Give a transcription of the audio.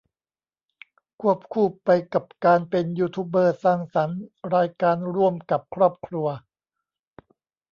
ควบคู่ไปกับการเป็นยูทูบเบอร์สร้างสรรค์รายการร่วมกับครอบครัว